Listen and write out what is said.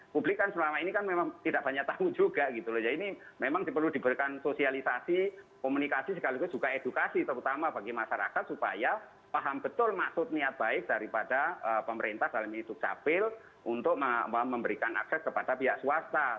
publik kan selama ini kan memang tidak banyak tamu juga gitu loh ya ini memang perlu diberikan sosialisasi komunikasi sekaligus juga edukasi terutama bagi masyarakat supaya paham betul maksud niat baik daripada pemerintah dalam hidup capil untuk memberikan akses kepada pihak swasta